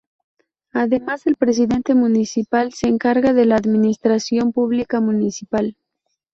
Además, el Presidente Municipal se encarga de la administración pública municipal.